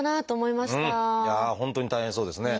いやあ本当に大変そうですね。